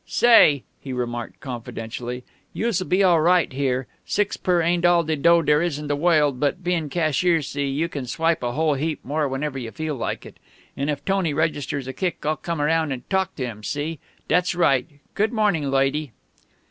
"Say," he remarked confidentially, "youse'll be all right here. Six per ain't all de dough dere is in de woild, but, bein' cashier, see, you can swipe a whole heap more whenever you feel like it. And if Tony registers a kick, I'll come around and talk to him see? Dat's right. Good morning, loidy."